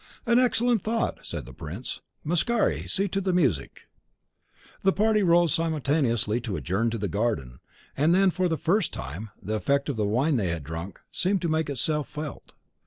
"An excellent thought!" said the prince. "Mascari, see to the music." The party rose simultaneously to adjourn to the garden; and then, for the first time, the effect of the wine they had drunk seemed to make itself felt.